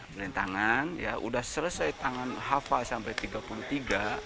dengan tangan ya udah selesai tangan hafal sampai tiga puluh tiga